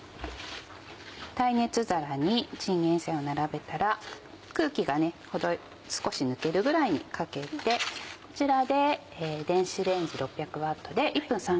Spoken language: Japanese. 耐熱皿にチンゲンサイを並べたら空気が少し抜けるぐらいにかけてこちらで。